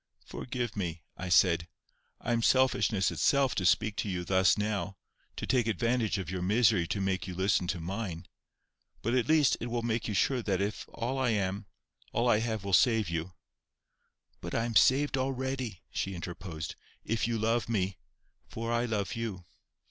"Forgive me," I said, "I am selfishness itself to speak to you thus now, to take advantage of your misery to make you listen to mine. But, at least, it will make you sure that if all I am, all I have will save you—" "But I am saved already," she interposed, "if you love me—for I love you."